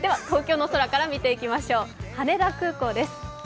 東京の空から見ていきましょう、羽田空港です。